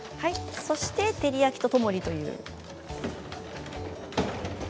そして照り焼きとともに。